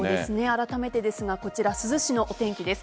あらためてですがこちら、珠洲市のお天気です。